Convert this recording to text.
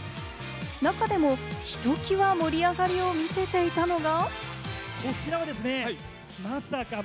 中でもひときわ盛り上がりを見せていたのが。